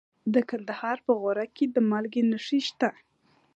د کندهار په غورک کې د مالګې نښې شته.